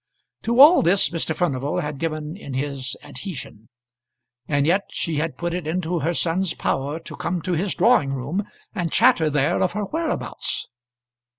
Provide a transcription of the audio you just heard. To all this Mr. Furnival had given in his adhesion; and yet she had put it into her son's power to come to his drawing room and chatter there of her whereabouts.